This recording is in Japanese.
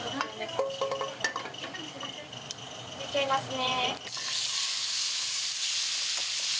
入れちゃいますね。